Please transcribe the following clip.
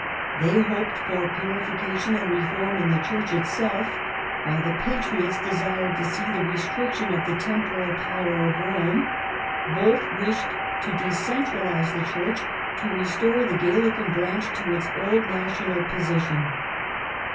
They hoped for purification and reform in the Church itself, while the Patriots desired to see the restriction of the temporal power of Rome ; both wished to de centralize the Church, to restore the Galilean branch to its old national position.